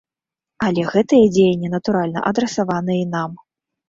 Але гэтыя дзеянні, натуральна, адрасаваныя і нам.